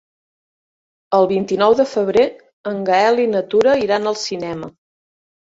El vint-i-nou de febrer en Gaël i na Tura iran al cinema.